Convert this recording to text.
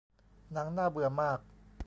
หนังน่าเบื่อมาก